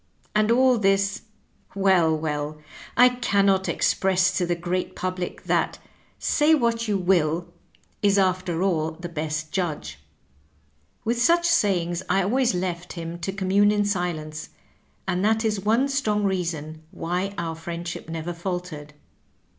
And all this, well 1 well ! I can not ex press to the great public, that, say what you will, is after Digitized by VjOOQIC THE ACTION TO THE WORD. 119 all the best judge." With such sayings I always left him to commune in silence, and that is one strong reason why our friendship never faltered.